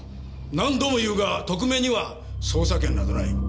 何度も言うが特命には捜査権などない。